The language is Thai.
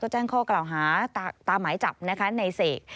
ก็แจ้งข้อกล่าวหาตามมายจับนายเสก